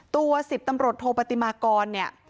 ตัว๑๐ตำรวจโทปฏิมากรเนี่ย